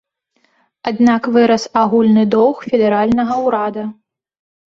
Аднак вырас агульны доўг федэральнага ўрада.